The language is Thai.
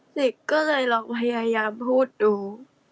เด็กก็เลยลองพยายามพูดดู